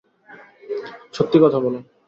সত্যি কথা বলো।